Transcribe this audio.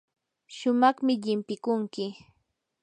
shumaqmi llimpikunki.